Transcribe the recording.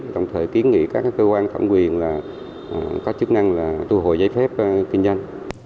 tổng thể kiến nghị các cơ quan thẩm quyền là có chức năng là thu hồi giấy phép kinh doanh